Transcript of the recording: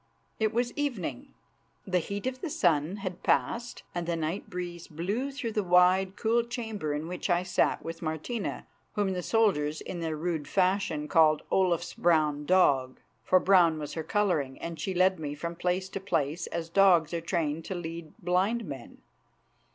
It was evening. The heat of the sun had passed and the night breeze blew through the wide, cool chamber in which I sat with Martina, whom the soldiers, in their rude fashion, called "Olaf's Brown Dog." For brown was her colouring, and she led me from place to place as dogs are trained to lead blind men.